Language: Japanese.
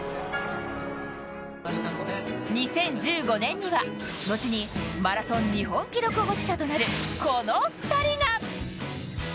２０１５年には、後にマラソン日本一記録保持者となるこの２人が！